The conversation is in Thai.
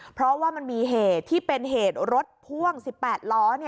เพราะว่ามันมีเหตุที่เป็นเหตุรถพ่วง๑๘ล้อ